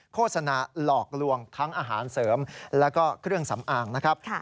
โฆษณาหลอกลวงทั้งอาหารเสริมแล้วก็เครื่องสำอางนะครับ